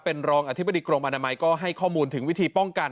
เป็นรองอธิบดีกรมอนามัยก็ให้ข้อมูลถึงวิธีป้องกัน